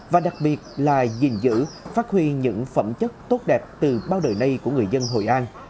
và đặc biệt là giền giữ phát huy những phẩm chất tốt đẹp từ bao đời nay của người dân hội an